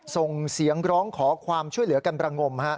ส่งเสียงร้องขอความช่วยเหลือกันประงม